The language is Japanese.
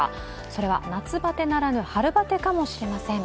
それは夏バテならぬ春バテかもしれません。